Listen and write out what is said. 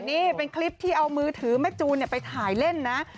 นี่เป็นคลิปที่เอามือถือแม่จูนไปถ่ายเล่นนะ